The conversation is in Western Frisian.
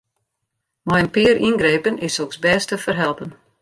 Mei in pear yngrepen is soks bêst te ferhelpen.